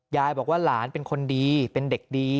ยายบอกว่าหลานเป็นคนดีเป็นเด็กดี